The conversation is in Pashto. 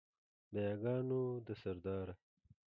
د یاګانو ده سرداره